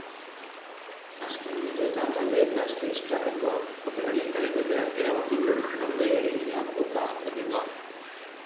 Azken minutuetan talde gasteiztarreko jokalarien kalitateak erabaki du norgehiagoka berdindu hau.